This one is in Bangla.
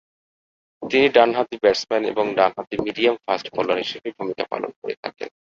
তিনি ডানহাতি ব্যাটসম্যান এবং ডানহাতি মিডিয়াম ফাস্ট বোলার হিসেবে ভূমিকা পালন করে থাকেন।